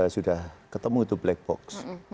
sudah ketemu black box